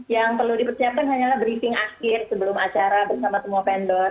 yang perlu dipersiapkan hanyalah briefing akhir sebelum acara bersama semua vendor